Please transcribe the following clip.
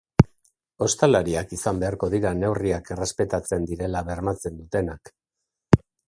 Ostalariak izan beharko dira neurriak errespetatzen direla bermatzen dutenak.